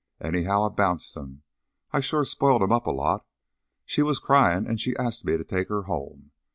Anyhow, I bounced him. I sure spoiled him up a lot. She was cryin' an' she ast me to take her home.